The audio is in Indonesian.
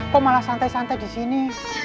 kok malah santai santai disini